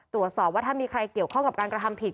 ตรวจสอบว่าถ้ามีใครเกี่ยวข้องกับการกระทำผิด